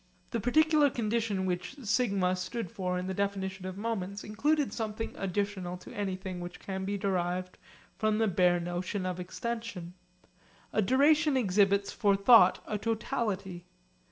The particular condition which 'σ' stood for in the definition of moments included something additional to anything which can be derived from the bare notion of extension. A duration exhibits for thought a totality.